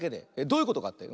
どういうことかって？